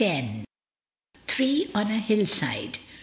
THREE ON A HELL SIDE.